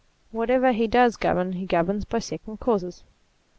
Whatever he does govern, he governs by second causes.